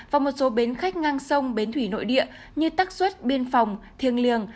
và một số bến khách ngang sông bến thủy nội địa như tắc xuất biên phòng thiêng liêng